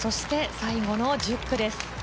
最後の１０区です。